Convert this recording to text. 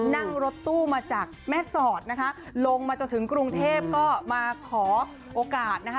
นั่งรถตู้มาจากแม่สอดนะคะลงมาจนถึงกรุงเทพก็มาขอโอกาสนะคะ